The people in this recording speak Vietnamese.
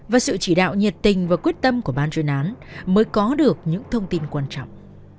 và sự chỉ đạo nhiệt tình và quyết tâm của ban chuyên án mới có được những thông tin quan trọng